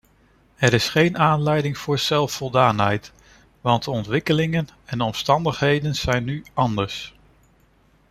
Er is geen aanleiding voor zelfvoldaanheid, want de ontwikkelingen en omstandigheden zijn nu anders.